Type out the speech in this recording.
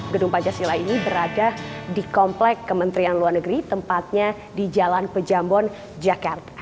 gedung pancasila ini berada di komplek kementerian luar negeri tempatnya di jalan pejambon jakarta